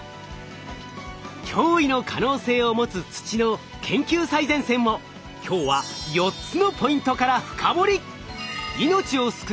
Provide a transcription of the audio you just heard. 驚異の可能性を持つ土の研究最前線を今日は４つのポイントから深掘り。